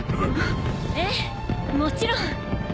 ええもちろん。